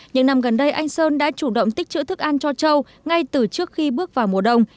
những năm gần đây anh sơn đã chủ động tích chữa thức ăn cho châu ngay từ trước khi bước vào mùa đông